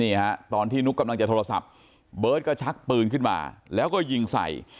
นี่ฮะตอนที่นุ๊กกำลังจะโทรศัพท์เบิร์ตก็ชักปืนขึ้นมาแล้วก็ยิงใส่